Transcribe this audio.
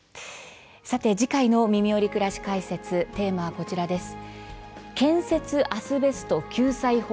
さて、次回の「みみより！くらし解説」テーマは、こちらです。